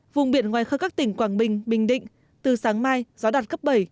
vùng biển ngoài khơi các tỉnh quảng bình bình định từ sáng mai gió đạt cấp bảy